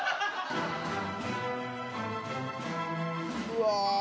［うわ］